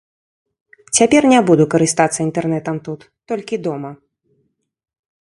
Цяпер не буду карыстацца інтэрнэтам тут, толькі дома.